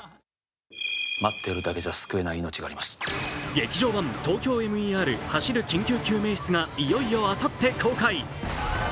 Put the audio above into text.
「劇場版ＴＯＫＹＯＭＥＲ走る緊急救命室」がいよいよあさって公開。